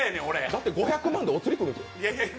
だって５００万でお釣り来るんですよ。